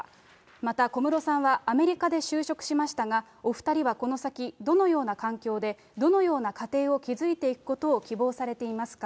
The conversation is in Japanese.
また小室さんは、アメリカで就職しましたが、お２人はこの先、どのような環境でどのような家庭を築いていくことを希望されていますか。